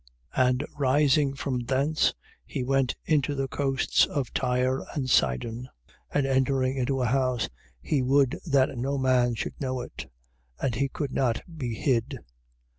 7:24. And rising from thence he went into the coasts of Tyre and Sidon: and entering into a house, he would that no man should know it. And he could not be hid.